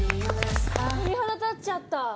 鳥肌立っちゃった。